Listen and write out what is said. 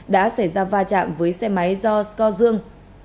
đã xảy ra va chạm với xe máy do scot dương